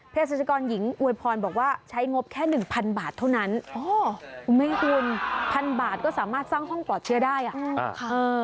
เพศรัชกรหญิงอวยพรบอกว่าใช้งบแค่๑๐๐๐บาทเท่านั้นไม่หุ่น๑๐๐๐บาทก็สามารถสร้างห้องปลอดเชื่อได้อ่ะ